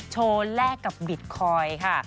โชว์แลกกับบิตคอยค่ะ